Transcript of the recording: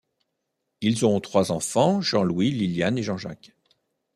Ils auront trois enfants, Jean-Louis, Liliane et Jean-Jacques.